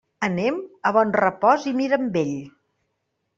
Anem a Bonrepòs i Mirambell.